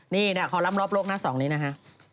นี่นะขอล้ำรอบโลกหน้าสองนี้นะฮะ